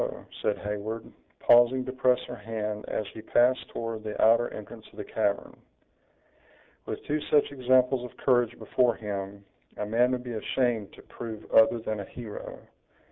said Heyward, pausing to press her hand as he passed toward the outer entrance of the cavern. "With two such examples of courage before him, a man would be ashamed to prove other than a hero."